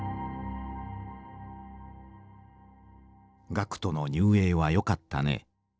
「学徒の入営はよかったね。